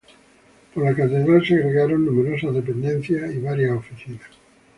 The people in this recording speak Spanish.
Por la catedral se agregaron numerosas dependencias y varias oficinas.